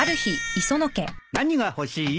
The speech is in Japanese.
何が欲しい？